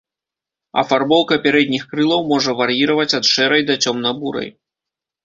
Афарбоўка пярэдніх крылаў можа вар'іраваць ад шэрай да цёмна-бурай.